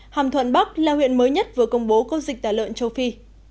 hàm thuận bắc là huyện mới nhất vừa công bố có dịch tả lợn châu phi